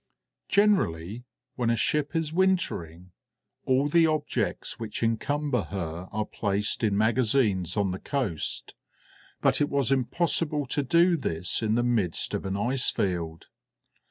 Generally, when a ship is wintering, all the objects which encumber her are placed in magazines on the coast, but it was impossible to do this in the midst of an ice field.